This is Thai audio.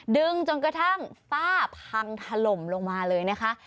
จนกระทั่งฝ้าพังถล่มลงมาเลยนะคะ